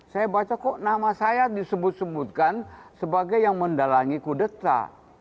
saya baca kok nama saya disebut sebutkan sebagai yang mendalangi kudeta